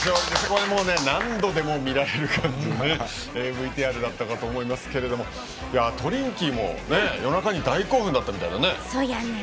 これもう何度でも見られる感じのＶＴＲだったかと思いますがトリンキーも夜中に大興奮だったみたいだね。